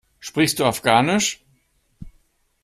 Sprichst du Afghanisch?